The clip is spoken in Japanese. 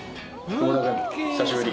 窪田君久しぶり！